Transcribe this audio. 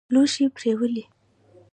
لوښي پرېولي.